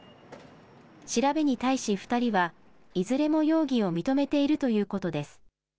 調べに対し、２人はいずれも容疑を認めているということです。